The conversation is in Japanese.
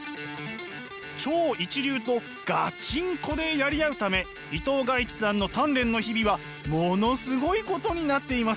超一流とガチンコでやり合うため伊藤賀一さんの鍛錬の日々はものすごいことになっています。